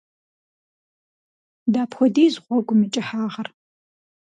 Дапхуэдиз гъуэгум и кӏыхьагъыр?